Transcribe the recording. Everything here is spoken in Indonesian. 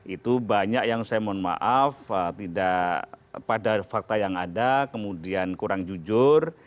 itu banyak yang saya mohon maaf tidak pada fakta yang ada kemudian kurang jujur